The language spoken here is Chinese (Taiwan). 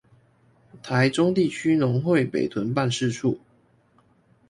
臺中地區農會北屯辦事處